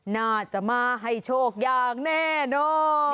น่าจะมาให้โชคอย่างแน่นอน